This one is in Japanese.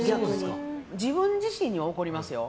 自分自身には怒りますよ。